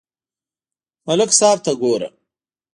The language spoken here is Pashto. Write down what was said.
ملک صاحب ته گوره